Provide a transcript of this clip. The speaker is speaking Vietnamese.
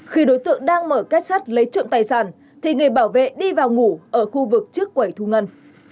khi đối tượng đang mở kết sắt lấy trộm tài sản thì người bảo vệ đi vào ngủ ở khu vực trước quẩy thu ngân